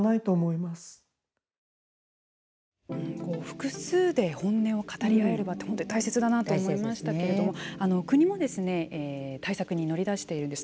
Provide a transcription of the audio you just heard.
複数で本音を語りあえる場って本当に大切だなと思いましたけれども国も対策に乗り出しているんです。